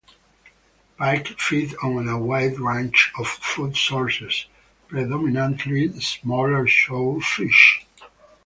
Pike feed on a wide range of food sources, predominantly smaller shoal fish.